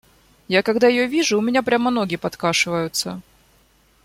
Я когда ее вижу, у меня прямо ноги подкашиваются.